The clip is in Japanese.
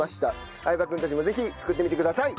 相葉君たちもぜひ作ってみてください。